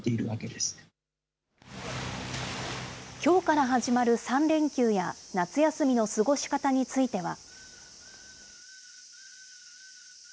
きょうから始まる３連休や、夏休みの過ごし方については。